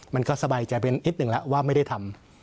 มันก็สบายใจไปนิดหนึ่งแล้วว่าไม่ได้ทำ